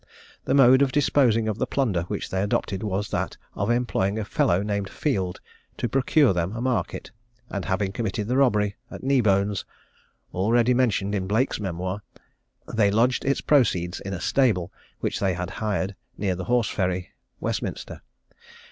The mode of disposing of the plunder which they adopted was that of employing a fellow named Field to procure them a market; and having committed the robbery at Kneebone's, already mentioned in Blake's memoir, they lodged its proceeds in a stable, which they had hired, near the Horse Ferry, Westminster.